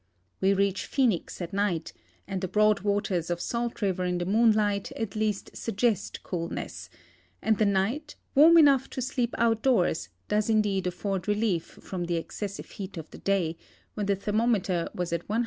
We reach Phoenix at night, and the broad waters of Salt river in the moon light at least suggest coolness, and the night, warm enough to sleep outdoors, does indeed afford relief from the excessive heat of the day, when the thermometer was at 110°.